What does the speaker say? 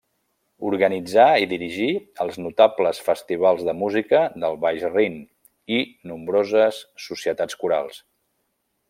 Organitzà i dirigí els notables festivals de música del Baix Rin i nombroses societats corals.